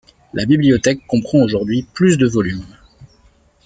La bibliothèque comprend aujourd'hui plus de volumes.